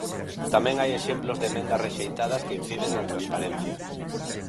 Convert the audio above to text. Tamén hai exemplos de emendas rexeitadas que inciden na transparencia.